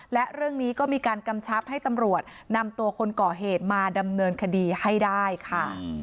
และเรื่องนี้ก็มีการกำชับให้ตำรวจนำตัวคนก่อเหตุมาดำเนินคดีให้ได้ค่ะ